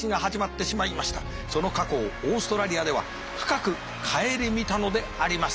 その過去をオーストラリアでは深く省みたのであります。